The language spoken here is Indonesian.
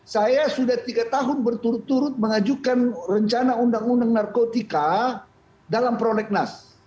saya sudah tiga tahun berturut turut mengajukan rencana undang undang narkotika dalam prolegnas